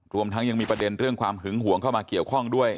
รวมทั้งยังมีประเด็นเรื่องความหึงห่วงเข้ามาเกี่ยวข้องด้วย